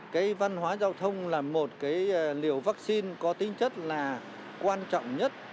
cái văn hóa giao thông là một cái liều vaccine có tính chất là quan trọng nhất